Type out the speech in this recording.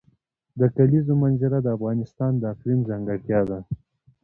د کلیزو منظره د افغانستان د اقلیم ځانګړتیا ده.